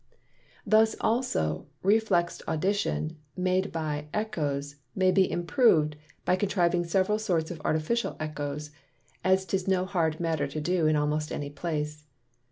Thus also Reflext Audition, made by Ecchoes, may be improv'd, by contriving several sorts of Artificial Ecchoes; as 'tis no hard matter to do in almost any place.